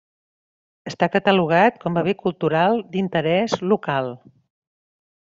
Està catalogat com a bé cultural d'interès local.